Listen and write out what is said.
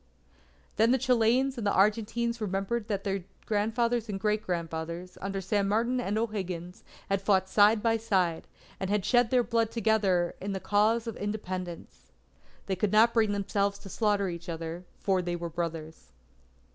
Then the Chileans and Argentines remembered that their grandfathers and great grandfathers, under San Martin and O'Higgins, had fought side by side, and had shed their blood together in the cause of Independence. They could not bring themselves to slaughter each other, for they were brothers.